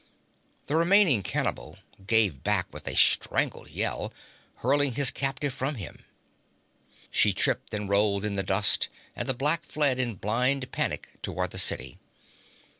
The remaining cannibal gave back with a strangled yell, hurling his captive from him. She tripped and rolled in the dust, and the black fled in blind panic toward the city.